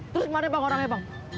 terus mana orangnya bang